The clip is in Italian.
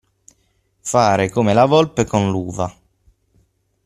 Fare come la volpe con l'uva.